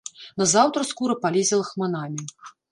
Назаўтра скура палезе лахманамі.